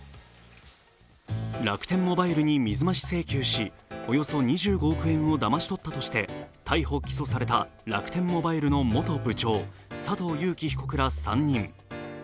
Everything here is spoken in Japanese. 楽天モバイルに水増し請求し、およそ２５億円をだまし取ったとして逮捕・起訴された楽天モバイルの元部長、佐藤友紀被告ら３人。